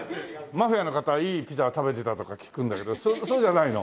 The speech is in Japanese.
マフィアの方はいいピザを食べてたとか聞くんだけどそうじゃないの？